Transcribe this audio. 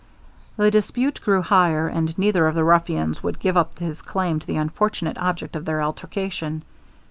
The dispute grew higher; and neither of the ruffians would give up his claim to the unfortunate object of their altercation.